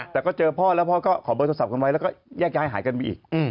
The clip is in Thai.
แต่ก็เจอพ่อแล้วพ่อก็ขอเบอร์โทรศัพท์กันไว้แล้วก็แยกย้ายหายกันไปอีก